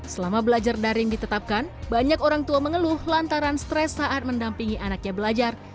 selama belajar daring ditetapkan banyak orang tua mengeluh lantaran stres saat mendampingi anaknya belajar